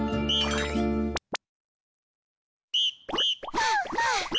はあはあ。